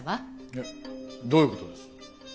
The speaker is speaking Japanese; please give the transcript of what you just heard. えっどういう事です？